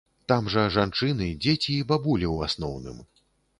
Там жа жанчыны, дзеці і бабулі ў асноўным.